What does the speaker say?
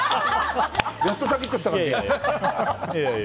やっとシャキッとした感じ。